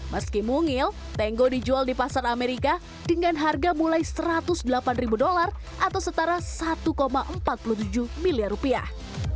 meski mungil tango dijual di pasar amerika dengan harga mulai satu ratus delapan ribu dolar atau setara satu empat puluh tujuh miliar rupiah